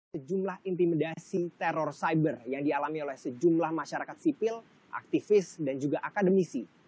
sejumlah intimidasi teror cyber yang dialami oleh sejumlah masyarakat sipil aktivis dan juga akademisi